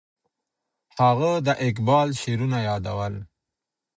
هغه د اقبال شعرونه یادول.